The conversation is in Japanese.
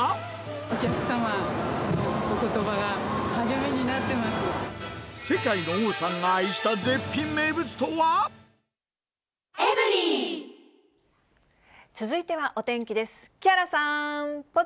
お客様のおことばが励みにな世界の王さんが愛した絶品名続いてはお天気です。